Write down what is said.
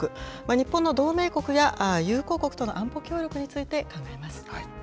日本の同盟国や友好国との安保協力について考えます。